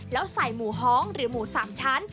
แล้วใส่หมูฮ้องหรือหมู๓ชั้น